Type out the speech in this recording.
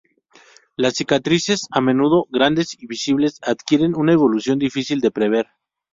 Las cicatrices, a menudo grandes y visibles, adquieren una evolución difícil de prever.